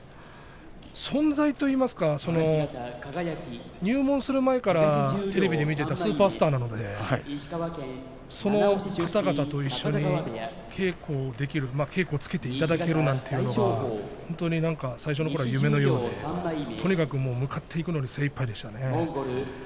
存在といいますか入門する前からテレビで見ていたスーパースターなのでそんな方々と一緒に稽古できる稽古をつけていただけるなんていうのは最初のころは夢のようでとにかく向かっていくのに精いっぱいでしたね。